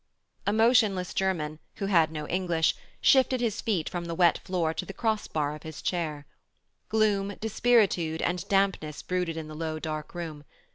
A motionless German, who had no English, shifted his feet from the wet floor to the cross bar of his chair. Gloom, dispiritude, and dampness brooded in the low, dark room.